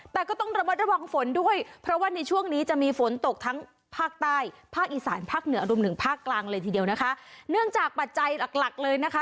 เลยทีเดียวนะคะเนื่องจากปัจจัยหลักหลักเลยนะคะ